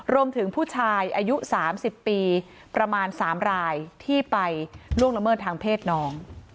รวมถึงผู้ชายอายุ๓๐ปีประมาณ๓รายที่ไปล่วงละเมิดทางเพศน้อง